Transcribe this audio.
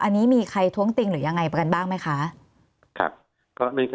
อันนี้มีใครท้วงติงหรือยังไงประกันบ้างไหมคะ